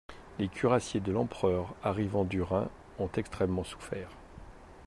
Les cuirassiers de l'empereur, arrivant du Rhin, ont extrêmement souffert.